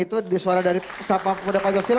itu di suara dari sapang pemuda pak giosila